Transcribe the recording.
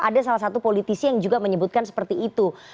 ada salah satu politisi yang juga menyebutkan seperti itu